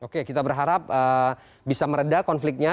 oke kita berharap bisa meredah konfliknya